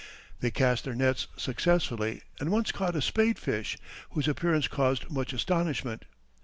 They cast their nets successfully, and once caught a spade fish, whose appearance caused much astonishment.